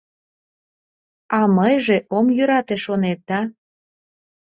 А мыйже ом йӧрате, шонет, да?